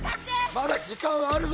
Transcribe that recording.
まだ時間はあるぞ！